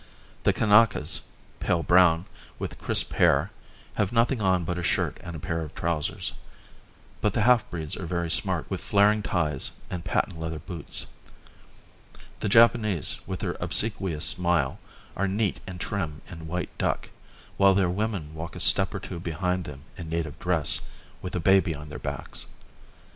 The Kanakas, pale brown, with crisp hair, have nothing on but a shirt and a pair of trousers; but the half breeds are very smart with flaring ties and patent leather boots. The Japanese, with their obsequious smile, are neat and trim in white duck, while their women walk a step or two behind them, in native dress, with a baby on their backs.